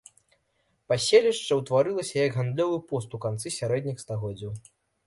Паселішча ўтварылася як гандлёвы пост у канцы сярэдніх стагоддзяў.